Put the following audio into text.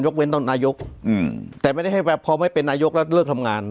เว้นต้องนายกแต่ไม่ได้ให้แบบพอไม่เป็นนายกแล้วเลิกทำงาน